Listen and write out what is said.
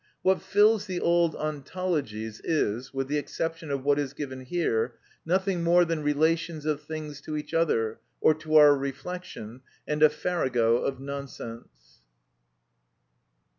What fills the old ontologies is, with the exception of what is given here, nothing more than relations of things to each other, or to our reflection, and a farrago of nonsense.